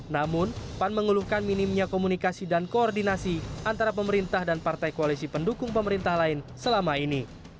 namun pan mengeluhkan minimnya komunikasi dan koordinasi antara pemerintah dan partai koalisi pendukung pemerintah lain selama ini